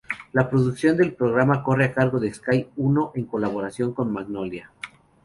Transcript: La producción del programa corre a cargo de Sky Uno en colaboración con Magnolia.